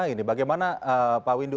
ini bagaimana pak windu